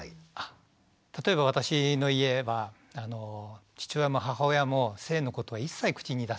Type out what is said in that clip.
例えば私の家は父親も母親も性のことは一切口に出せなかったんです。